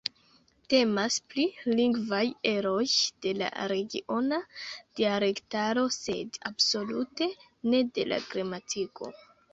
Temas pri lingvaj eroj de regiona dialektaro, sed absolute ne de la gramatiko.